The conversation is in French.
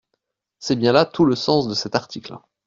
C’est bien là tout le sens de cet article.